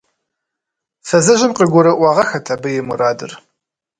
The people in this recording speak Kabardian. Фызыжьым къыгурыӏуагъэххэт абы и мурадыр.